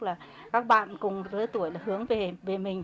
là các bạn cùng đứa tuổi hướng về mình